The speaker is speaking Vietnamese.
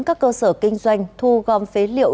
các cơ sở kinh doanh thu gom phế liệu